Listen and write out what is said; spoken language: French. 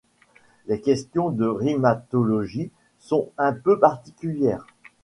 Les questions de rimatologie sont un peu particulières.